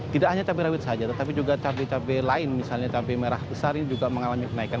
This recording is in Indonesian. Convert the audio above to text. tidak hanya cabai rawit saja tetapi juga cabai cabai lain misalnya cabai merah besar ini juga mengalami kenaikan